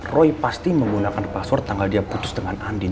roy pasti menggunakan password tanggal dia putus dengan andin